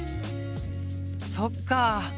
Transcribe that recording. そっかあ。